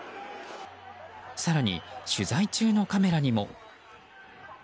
更に、取材中のカメラにも。